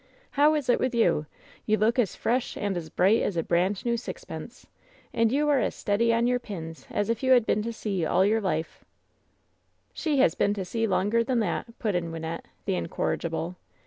"How is it with you? You look as fresh and as bright as a brand new sixpence, and you are as steady on your pins as if you had been to sea all your lifel" "She has been to sea longer than that!" put in Wyn nette, the incorrigible.